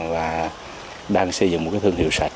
và đang xây dựng một thương hiệu sạch